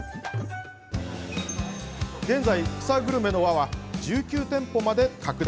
現在、草グルメの輪は１９店舗まで拡大。